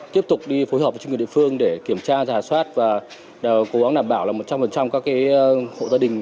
tiếp tục đi phối hợp với chương trình địa phương để kiểm tra rà soát và cố gắng đảm bảo là một trăm linh các hội gia đình